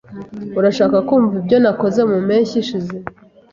Urashaka kumva ibyo nakoze mu mpeshyi ishize?